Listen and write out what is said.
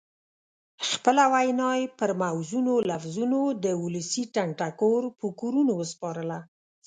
خپله وینا یې پر موزونو لفظونو د ولسي ټنګ ټکور په کورونو وسپارله.